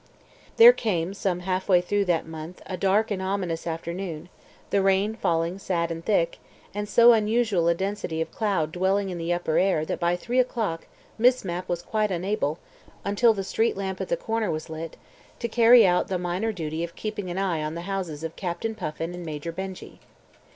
... There came some half way through that month a dark and ominous afternoon, the rain falling sad and thick, and so unusual a density of cloud dwelling in the upper air that by three o'clock Miss Mapp was quite unable, until the street lamp at the corner was lit, to carry out the minor duty of keeping an eye on the houses of Captain Puffin and Major Benjy.